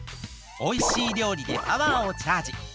おいしいりょうりでパワーをチャージ！